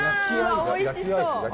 おいしそう！